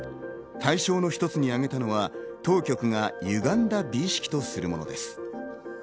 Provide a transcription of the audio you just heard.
対象の一つに挙げたのは当局がゆがんだ美意識とするものです。